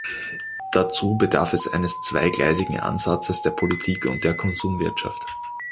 Dazu bedarf es eines zweigleisigen Ansatzes der Politik und der Konsumwirtschaft.